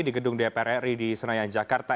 di gedung dpr ri di senayan jakarta